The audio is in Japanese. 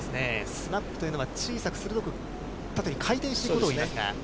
スナップというのは小さく鋭く、回転していくことを言いますが。